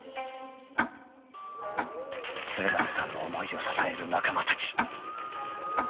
［鶴松さんの思いを支える仲間たち］